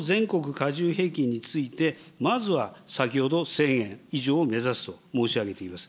加重平均について、まずは先ほど１０００円以上を目指すと申し上げています。